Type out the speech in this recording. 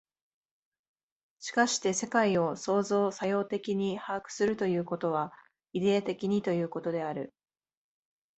しかして世界を創造作用的に把握するということは、イデヤ的にということである。